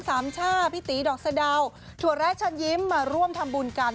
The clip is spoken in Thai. สามช่าพี่ตีดอกสะดาวถั่วแร้เชิญยิ้มมาร่วมทำบุญกัน